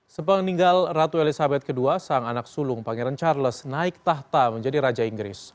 sepenggal ratu elizabeth ii sang anak sulung pangeran charles naik tahta menjadi raja inggris